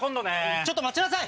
ちょっと待ちなさい！